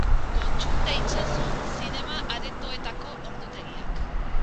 Kontsulta itzazu zinema-aretoetako ordutegiak.